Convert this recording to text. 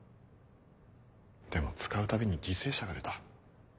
でも使うたびに犠牲者が出た。